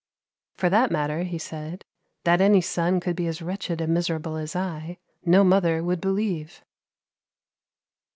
"For that matter," he said, "that any son could be as wretched and miserable as I, no mother would believe."